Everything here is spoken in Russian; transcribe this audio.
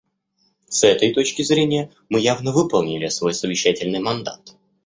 С этой точки зрения, мы явно выполнили свой совещательный мандат.